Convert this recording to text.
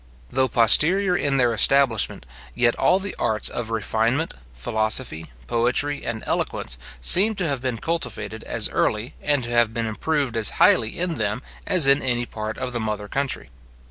Though posterior in their establishment, yet all the arts of refinement, philosophy, poetry, and eloquence, seem to have been cultivated as early, and to have been improved as highly in them as in any part of the mother country.